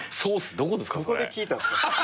どこで聞いたんすか？